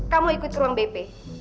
kamu ikut ruang bp